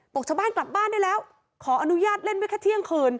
ชาวบ้านกลับบ้านได้แล้วขออนุญาตเล่นไว้แค่เที่ยงคืน